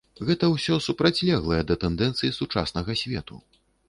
Гэта ўсё супрацьлеглае да тэндэнцый сучаснага свету.